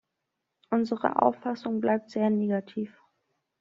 Unsere Auffassung bleibt sehr negativ.